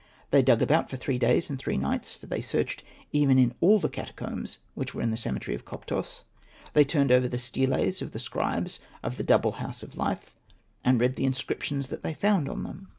They dug about for three days and three nights, for they searched even in all the catacombs which were in the cemetery of Koptos ; they turned over the steles of the scribes of the " double house of life," and read the inscriptions that they found on them.